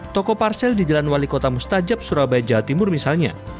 toko parsel di jalan wali kota mustajab surabaya jawa timur misalnya